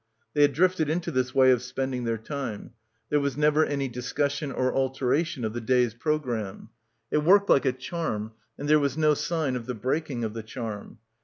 They had drifted into this way of spending their time; there was never any discussion or alteration of the day's programme. It worked like a charm and there was no sign of the breaking of the charm.